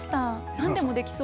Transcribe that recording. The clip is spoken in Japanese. なんでもできそう。